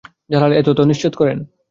জালাল এ তথ্য নিশ্চিত করেন।